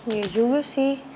iya juga sih